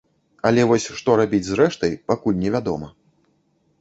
Але вось што рабіць з рэштай, пакуль невядома.